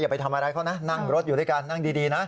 ไปทำอะไรเขานะนั่งรถอยู่ด้วยกันนั่งดีนะ